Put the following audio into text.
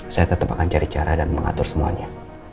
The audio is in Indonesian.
saya tetap akan cari cara dan mengatur semuanya